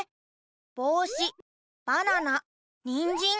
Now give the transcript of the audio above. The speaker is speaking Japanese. ぼうしばななにんじん。